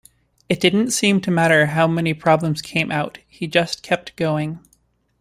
It didn't seem to matter how many problems came out, he just kept going.